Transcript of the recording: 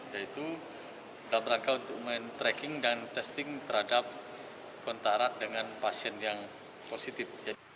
yaitu gambar angka untuk main tracking dan testing terhadap kontarak dengan pasien yang positif